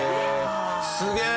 すげえ！